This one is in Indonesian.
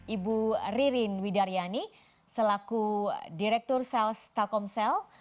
ibu ririn widaryani selaku direktur sales telkomsel